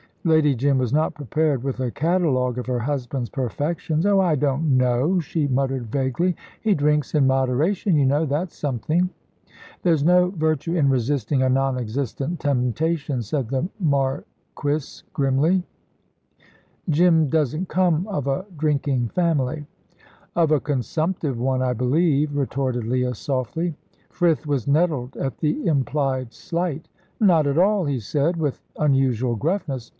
Lady Jim was not prepared with a catalogue of her husband's perfections. "Oh, I don't know," she murmured vaguely; "he drinks in moderation, you know. That's something." "There's no virtue in resisting a non existent temptation," said the Marquis, grimly. "Jim doesn't come of a drinking family." "Of a consumptive one, I believe," retorted Leah, softly. Frith was nettled at the implied slight. "Not at all," he said, with unusual gruffness.